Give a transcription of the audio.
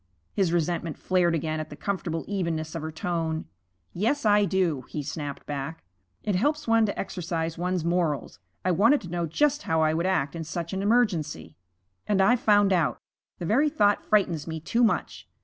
His resentment flared again at the comfortable evenness of her tone. 'Yes, I do,' he snapped back. 'It helps one to exercise one's morals. I wanted to know just how I would act in such an emergency. And I've found out. The very thought frightens me too much.